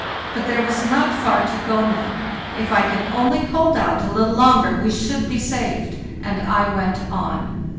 But there was not far to go now; if I could only hold out a little longer we should be saved—and I went on.